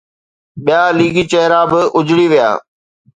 ٻيا ليگي چهرا به اجڙي ويا.